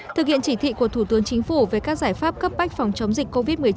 thực hiện chỉ thị của thủ tướng chính phủ về các giải pháp cấp bách phòng chống dịch covid một mươi chín